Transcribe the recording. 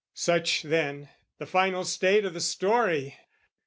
Such, then, the final state o' the story.